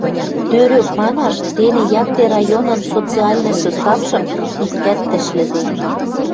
Тӧрӧк манаш, тене якте районын социальный составшым иктӓт тӹшлӹде.